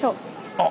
あっ！